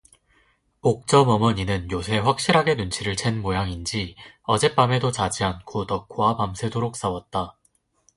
옥점 어머니는 요새 확실하게 눈치를 챈 모양인지 어젯밤에도 자지 않고 덕호와 밤새도록 싸웠다.